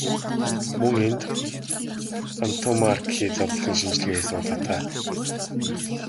Мөн энд Антоммарки задлан шинжилгээ хийсэн удаатай.